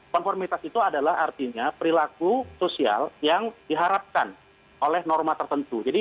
konformitas itu adalah artinya perilaku sosial yang diharapkan oleh norma tertentu